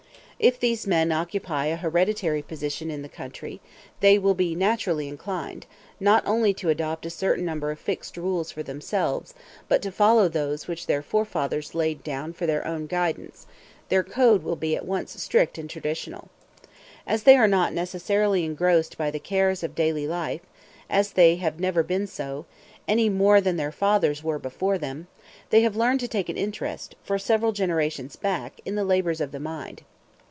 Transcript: If these men occupy a hereditary position in the country, they will be naturally inclined, not only to adopt a certain number of fixed rules for themselves, but to follow those which their forefathers laid down for their own guidance; their code will be at once strict and traditional. As they are not necessarily engrossed by the cares of daily life as they have never been so, any more than their fathers were before them they have learned to take an interest, for several generations back, in the labors of the mind.